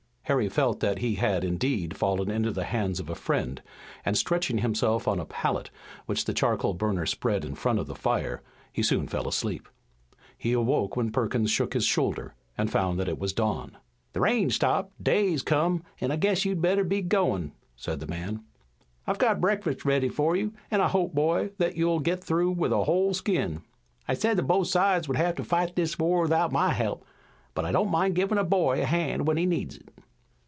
Harry felt that he had indeed fallen into the hands of a friend, and stretching himself on a pallet which the charcoal burner spread in front of the fire, he soon fell asleep. He awoke when Perkins shook his shoulder and found that it was dawn. "The rain's stopped, day's come an' I guess you'd better be goin'" said the man. "I've got breakfast ready for you, an' I hope, boy, that you'll get through with a whole skin. I said that both sides would have to fight this war without my help, but I don't mind givin' a boy a hand when he needs it."